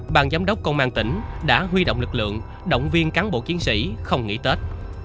bàn giám đốc công an tỉnh đã huy động lực lượng động viên cán bộ chiến sĩ không nghỉ tết